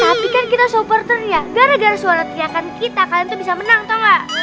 tapi kan kita supporter ya gara gara suara teriakan kita kalian tuh bisa menang atau enggak